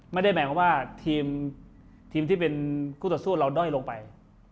ไม่ได้หมายความว่าทีมที่เป็นคู่ต่อสู้เราด้อยลงไป